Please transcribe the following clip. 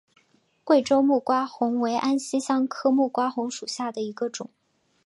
贵州木瓜红为安息香科木瓜红属下的一个种。